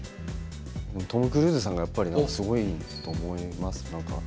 トム・クルーズさんがやっぱりすごいと思います。